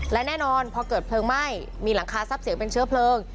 และแน่นอนพอเกิดเพลิงไหม้มีหลังคาซับเสียงเป็นเชื้อเพลิง